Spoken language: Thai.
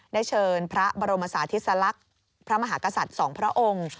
ได้เชิญพระบรมศาธิสลักษณ์พระมหากษัตริย์สองพระองค์